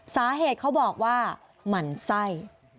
สาเหตุเขาบอกว่าหมั่นไส้